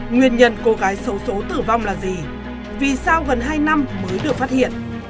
nguyên nhân cô gái xấu xố tử vong là gì vì sao gần hai năm mới được phát hiện